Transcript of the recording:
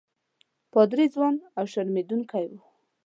پادري ځوان او شرمېدونکی وو.